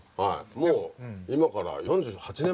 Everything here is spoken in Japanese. もう今から４８年前？